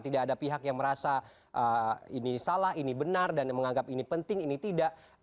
tidak ada pihak yang merasa ini salah ini benar dan yang menganggap ini penting ini tidak